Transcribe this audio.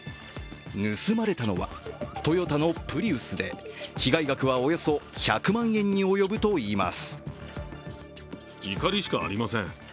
盗まれたのはトヨタのプリウスで被害額はおよそ１００万円に及ぶといいます。